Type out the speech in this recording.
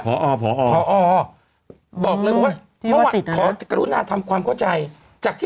บอกเลยว่านะคะผมขอเกราะนานทำความเข้าใจ